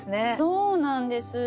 そうなんです。